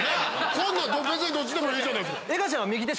こんなん別にどっちでもいいじゃないですか。